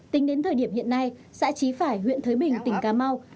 tính đến thời điểm hiện nay xã trí phải huyện thới bình tỉnh cà mau